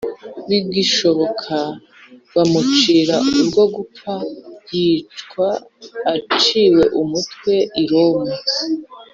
bigishobotse, bamucira urwo gupfa yicwa aciwe umutwe i roma